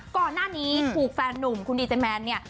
ก่อนหน้านี้ถูกแฟนหนุ่มคุณดีเจแมนเนี่ย